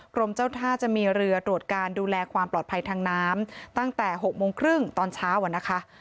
กรมเจ้าท่าจะมีเรือตรวจการดูแลความปลอดภัยทางน้ำตั้งแต่๖โมงครึ่งตอนเช้าอะนะคะ